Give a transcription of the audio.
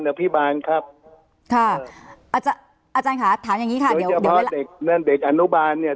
โดยเฉพาะเด็กอันนุบาลเนี่ย